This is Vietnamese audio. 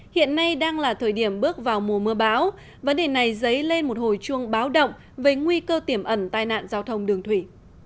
hiện nay đang là thời điểm bước vào mùa mưa bão vấn đề này dấy lên một hồi chuông báo động về nguy cơ tiềm ẩn tai nạn giao thông đường thủy